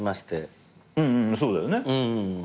うんうんそうだよね。